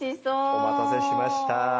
お待たせしました。